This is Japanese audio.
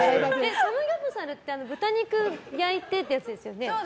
サムギョプサルって豚肉焼いてるやつですよね。